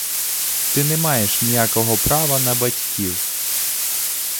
Ти не маєш ніякого права на батьків.